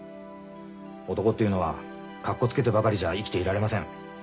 男っていうのはかっこつけてばかりじゃ生きていられません。